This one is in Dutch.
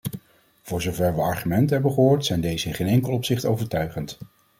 Voor zover we argumenten hebben gehoord, zijn deze in geen enkel opzicht overtuigend.